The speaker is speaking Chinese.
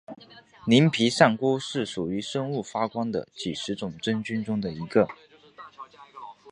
鳞皮扇菇是属于生物发光的几十种真菌中的一个。